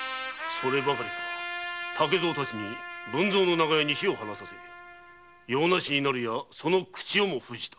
のみならず竹蔵たちに文造の長屋に火を放させ用なしとなるやその口をも封じた。